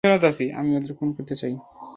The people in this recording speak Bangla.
আমি ওদের খুন করতে চাই।